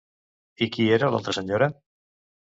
I qui era l'altra senyora?